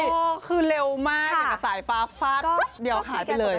โอ้โหคือเร็วมากอย่างกับสายฟ้าฟาดเดียวหายไปเลย